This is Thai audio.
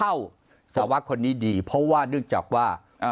สวะคนนี้ดีเพราะว่าเนื่องจากว่า